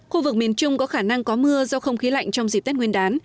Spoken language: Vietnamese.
khu vực miền trung có khả năng có mưa do không khí lạnh trong dịp tết nguyên đán